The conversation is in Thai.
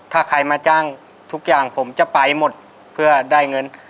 ถ้าใครมาจ้างทุกอย่างผมจะไปหมดเพื่อได้เงิน